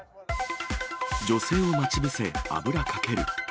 女性を待ち伏せ、油かける。